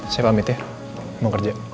saya pamit ya mau kerja